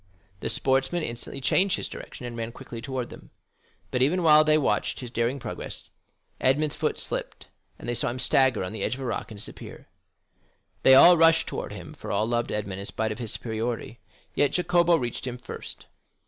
The sportsman instantly changed his direction, and ran quickly towards them. But even while they watched his daring progress, Edmond's foot slipped, and they saw him stagger on the edge of a rock and disappear. They all rushed towards him, for all loved Edmond in spite of his superiority; yet Jacopo reached him first.